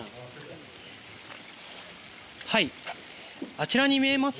あちらに見えます